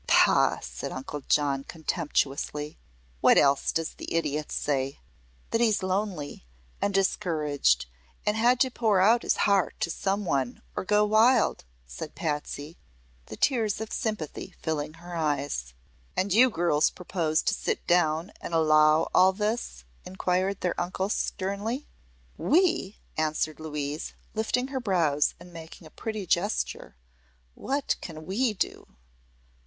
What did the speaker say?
"Pah!" said Uncle John, contemptuously. "What else does the idiot say?" "That he's lonely and discouraged, and had to pour out his heart to some one or go wild," said Patsy, the tears of sympathy filling her eyes. "And you girls propose to sit down and allow all this?" inquired their uncle sternly. "We?" answered Louise, lifting her brows and making a pretty gesture. "What can we do?"